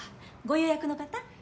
ご予約の方？